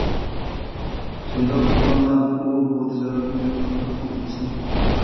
شۇنداق ئەھۋالدا، ئۇ بۇ تىجارەتنى قانداقمۇ قىلسۇن؟ !